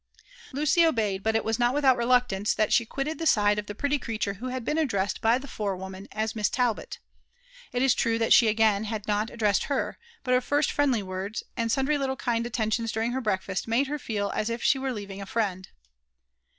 Lucy obeyed ; but it was not without reluctance, that she quitted the side of the pretty creature who had been addressed by the fore woman as Miss Talbot. It is true that she had not again addressed her ; but her first friendly words, and sundry little kind attentions during her breakfast, made her feel as if she were leaving a friend.